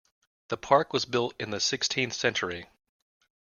The park was built in the sixteenth century.